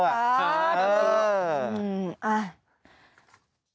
ค่ะสาธุด้วย